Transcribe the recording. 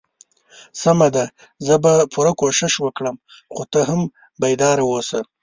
سمه ده زه به پوره کوشش وکړم خو ته هم بیدار اوسه.